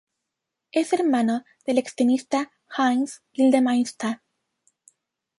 Es hermano del extenista Heinz Gildemeister.